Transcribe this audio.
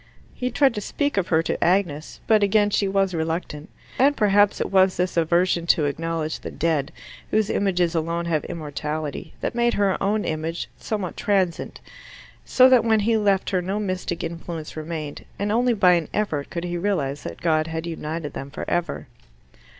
He tried to speak of her to Agnes, but again she was reluctant. And perhaps it was this aversion to acknowledge the dead, whose images alone have immortality, that made her own image somewhat transient, so that when he left her no mystic influence remained, and only by an effort could he realize that God had united them forever.